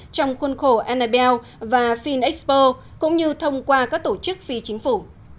trong khuôn khổ annabelle và finexpo cũng như thông qua các tổ chức phi chính phủ